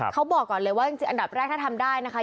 เขาบอกก่อนเลยว่าจริงอันดับแรกถ้าทำได้นะคะ